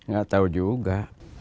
ga tau juga